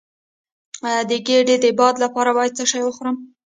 د ګیډې د باد لپاره باید څه شی وخورم؟